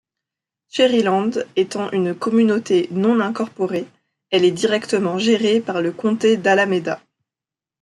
Cherryland étant une communauté non incorporée, elle est directement gérée par le comté d'Alameda.